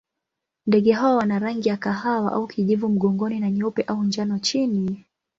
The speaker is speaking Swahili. Ndege hawa wana rangi ya kahawa au kijivu mgongoni na nyeupe au njano chini.